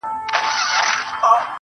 د شپې نه وروسته بيا سهار وچاته څه وركوي~